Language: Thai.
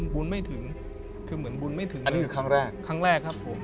บุญไม่ถึงคือเหมือนบุญไม่ถึงอันนี้คือครั้งแรกครั้งแรกครับผม